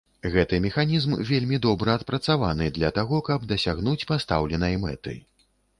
Гэты механізм вельмі добра адпрацаваны для таго, каб дасягнуць пастаўленай мэты.